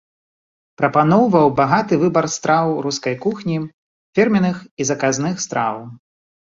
Прапаноўваў багаты выбар страў рускай кухні, фірменных і заказных страў.